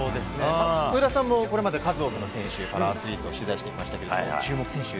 上田さんもこれまで数多くのパラアスリートを取材されてきましたが注目の選手は？